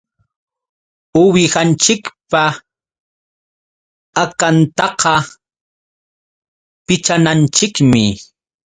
Uwihanchikpa akantaqa pichananchikmi.